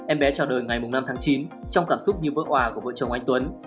em bé trò đời ngày năm tháng chín trong cảm xúc như vỡ quả của vợ chồng anh tuấn